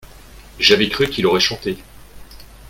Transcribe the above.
j'avais cru qu'il aurait chanté.